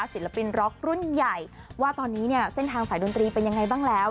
ศิลปินร็อกรุ่นใหญ่ว่าตอนนี้เนี่ยเส้นทางสายดนตรีเป็นยังไงบ้างแล้ว